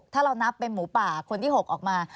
ถ้าเรานับเป็นหมูป่าคนที่๖ออกมา